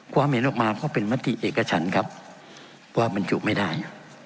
ความเห็นออกมาก็เป็นมติเอกฉันครับว่าบรรจุไม่ได้